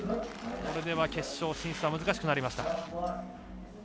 これでは決勝進出は難しくなりました。